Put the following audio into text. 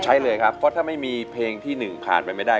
ใช้เลยครับเพราะถ้าไม่มีเพลงที่๑ผ่านไปไม่ได้